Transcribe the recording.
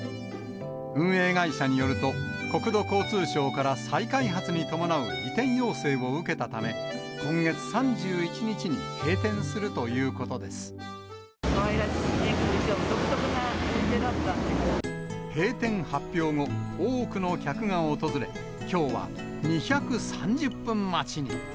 運営会社によると、国土交通省から再開発に伴う移転要請を受けたため、今月３１日にかわいらしい衣装、独特なお閉店発表後、多くの客が訪れ、きょうは２３０分待ちに。